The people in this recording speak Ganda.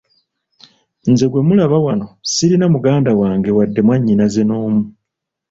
Nze gwe mulaba wano sirina muganda wange wadde mwannyinaze n’omu.